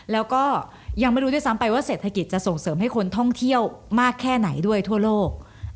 แล้วก็ยังไม่รู้ด้วยซ้ำไปว่าเศรษฐกิจจะส่งเสริมให้คนท่องเที่ยวมากแค่ไหนด้วยทั่วโลก